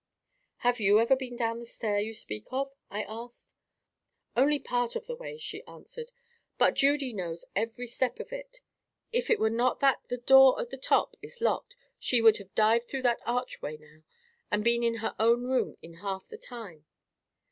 "Have you ever been down the stair you speak of?" I asked. "Only part of the way," she answered. "But Judy knows every step of it. If it were not that the door at the top is locked, she would have dived through that archway now, and been in her own room in half the time.